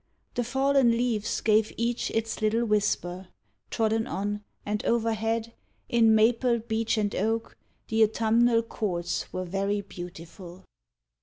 The fallen leaves Gave each its little whisper, trodden on, And overhead, in maple, beech and oak, The autumnal courts were very beautiful.